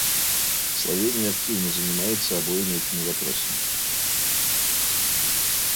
Словения активно занимается обоими этими вопросами.